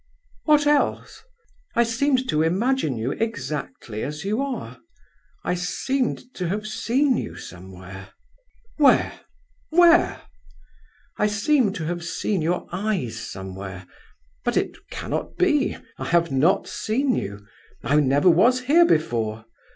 "What else?" "I seemed to imagine you exactly as you are—I seemed to have seen you somewhere." "Where—where?" "I seem to have seen your eyes somewhere; but it cannot be! I have not seen you—I never was here before.